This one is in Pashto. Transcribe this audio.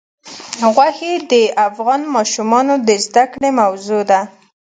غوښې د افغان ماشومانو د زده کړې موضوع ده.